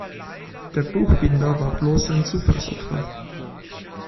Der Buchbinder war bloß ein Zufallsopfer.